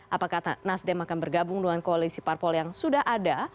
apakah nasdem akan bergabung dengan koalisi parpol yang sudah ada